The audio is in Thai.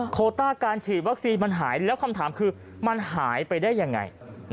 โคต้าการฉีดวัคซีนมันหายแล้วคำถามคือมันหายไปได้ยังไง